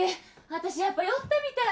私やっぱ酔ったみたい。